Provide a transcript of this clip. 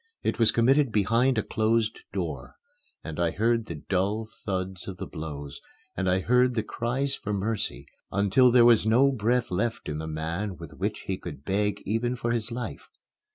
It was committed behind a closed door; and I heard the dull thuds of the blows, and I heard the cries for mercy until there was no breath left in the man with which he could beg even for his life.